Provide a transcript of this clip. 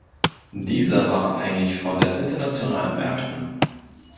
Dieser war abhängig von den internationalen Märkten.